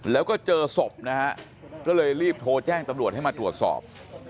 แล้วก็เจอศพนะฮะก็เลยรีบโทรแจ้งตำรวจให้มาตรวจสอบ